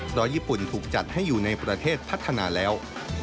เพราะญี่ปุ่นถูกจัดให้อยู่ในประเทศพัฒนาแล้ว